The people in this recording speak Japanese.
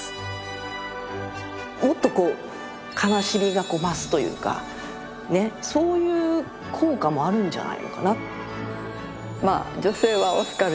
もっとこう悲しみが増すというかそういう効果もあるんじゃないのかな。